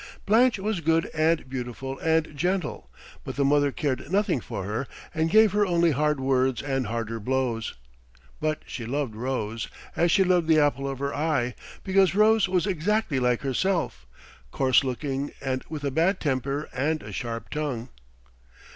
Blanche was good and beautiful and gentle, but the mother cared nothing for her and gave her only hard words and harder blows; but she loved Rose as she loved the apple of her eye, because Rose was exactly like herself, coarse looking, and with a bad temper and a sharp tongue.